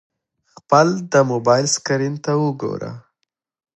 خپل د موبایل سکرین ته وګوره !